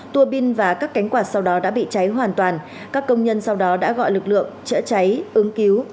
tuô bin và các cánh quạt sau đó đã bị cháy hoàn toàn các công nhân sau đó đã gọi lực lượng chữa cháy ứng cứu